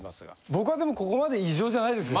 僕はでもここまで異常じゃないですよ。